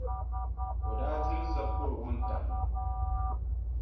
O daa diri sakɔro wuntaŋ ni.